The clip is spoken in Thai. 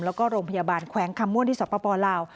แล้วก็โรงพยาบาลแขวงคำม่วนที่สปลาว